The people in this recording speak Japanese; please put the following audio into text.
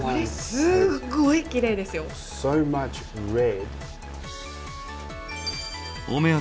すごくきれいですよね。